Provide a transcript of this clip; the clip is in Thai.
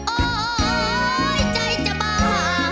โอ้โอ้โยใจจะบา